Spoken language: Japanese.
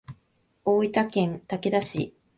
大分県竹田市